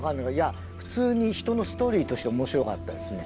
普通に人のストーリーとして面白かったですね。